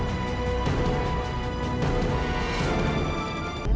aku akan beristirahat